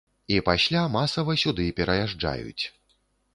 І пасля масава сюды пераязджаюць.